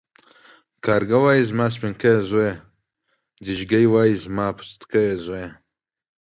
کارگه وايي زما سپينکيه زويه ، ځېږگى وايي زما پستکيه زويه.